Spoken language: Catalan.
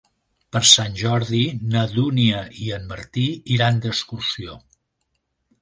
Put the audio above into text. Per Sant Jordi na Dúnia i en Martí iran d'excursió.